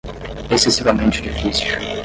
excessivamente difícil